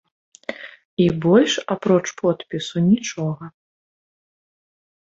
І больш, апроч подпісу, нічога.